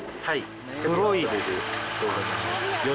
はい。